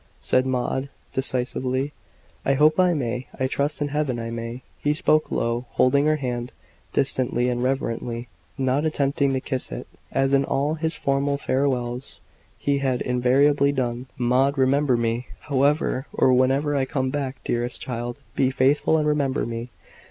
said Maud, decisively. "I hope I may I trust in Heaven I may!" He spoke low, holding her hand distantly and reverently, not attempting to kiss it, as in all his former farewells he had invariably done. "Maud, remember me! However or whenever I come back, dearest child, be faithful, and remember me!"